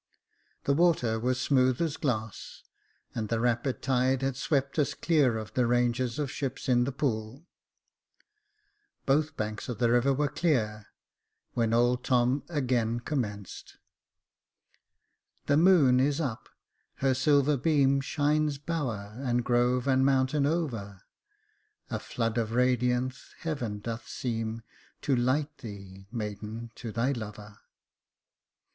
The water was smooth as glass, and the rapid tide had swept us clear of the ranges of ships in the pool j both banks of the river were clear, when old Tom again commenced :" The moon is up, her silver beam Shines bower, and grove, and mountain over ; A flood of radiance heaven doth seem To light thee, maiden, to thy lover.